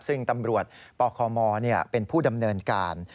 ซึ่งตำรวจปคมเป็นผู้ดำเนินการ